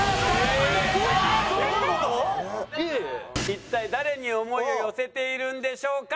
一体誰に想いを寄せているんでしょうか？